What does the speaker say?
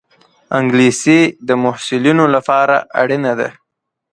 انګلیسي د محصلینو لپاره اړینه ده